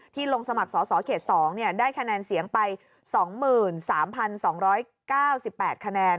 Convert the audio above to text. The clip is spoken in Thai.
ลงสมัครสอสอเขต๒ได้คะแนนเสียงไป๒๓๒๙๘คะแนน